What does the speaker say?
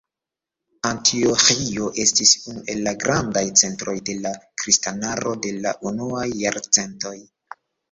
Antioĥio estis unu el la grandaj centroj de la kristanaro de la unuaj jarcentoj.